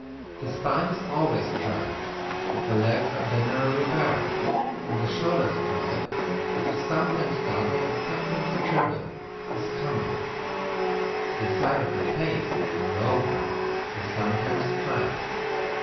The spine is always striped; the legs are generally barred; and the shoulder stripe, which is sometimes double and sometimes treble, is common; the side of the face, moreover, is sometimes striped.